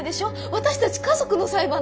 私たち家族の裁判だよ。